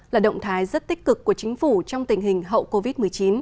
là động thái rất tích cực của chính phủ trong tình hình hậu covid một mươi chín